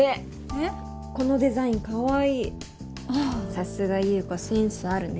さすが優子センスあるね。